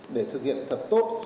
để thực hiện thật tốt